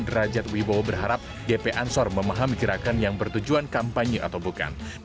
derajat wibowo berharap gp ansor memahami gerakan yang bertujuan kampanye atau bukan